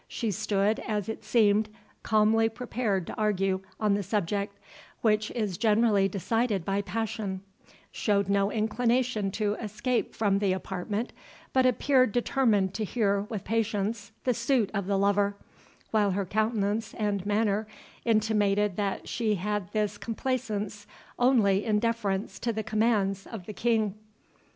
She stood, as it seemed, calmly prepared to argue on the subject, which is generally decided by passion—showed no inclination to escape from the apartment, but appeared determined to hear with patience the suit of the lover—while her countenance and manner intimated that she had this complaisance only in deference to the commands of the King.